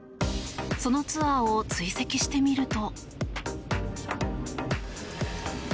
そのツアーを追跡してみると。